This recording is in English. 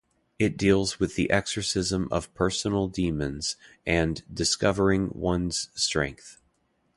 It deals with the exorcism of personal demons and discovering one's strength.